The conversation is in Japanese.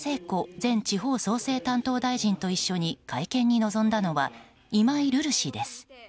前地方創生担当大臣と一緒に会見に臨んだのは今井瑠々氏です。